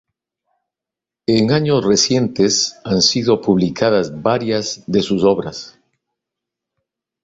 En años recientes han sido publicadas varias de sus obras.